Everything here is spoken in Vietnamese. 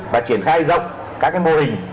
và triển khai rộng các cái mô hình